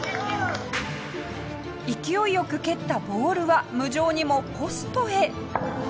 勢いよく蹴ったボールは無情にもポストへ。